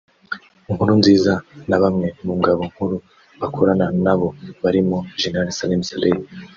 Nkurunziza na bamwe mu ngabo nkuru bakorana nabo barimo General Salim Saleh